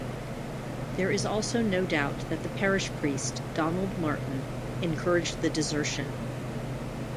There is also no doubt that the parish priest, Donald Martin, encouraged the desertion.